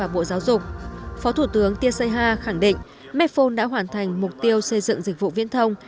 phó thủ tướng tia seha khẳng định medphone đã hoàn thành mục tiêu xây dựng dịch vụ viễn thông